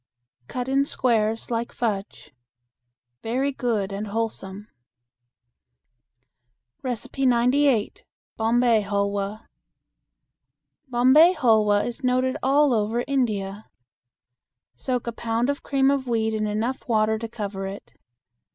Cut in squares like fudge. Very good and wholesome. 98. Bombay Hulwa. Bombay hulwa is noted all over India. Soak a pound of cream of wheat in enough water to cover it.